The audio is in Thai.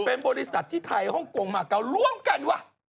เป็นบริษัทที่ไทยฮ่องกงมาเการ่วมกันว่ะ